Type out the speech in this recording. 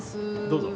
どうぞ。